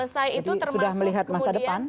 jadi sudah melihat masa depan